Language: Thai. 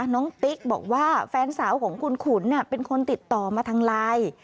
ติ๊กบอกว่าแฟนสาวของคุณขุนเป็นคนติดต่อมาทางไลน์